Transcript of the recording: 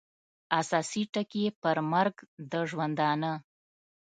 اساسي ټکي یې پر مرګ د ژوندانه